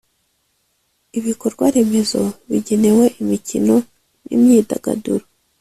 Ibikorwaremezo bigenewe imikino n’imyidagaduro